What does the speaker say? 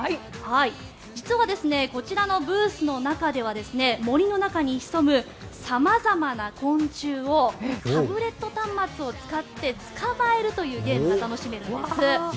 実はこちらのブースの中では森の中に潜む様々な昆虫をタブレット端末を使って捕まえるというゲームが楽しめるんです。